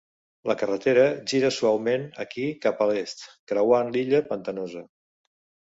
La carretera gira suaument aquí cap a l"est, creuant l"illa pantanosa.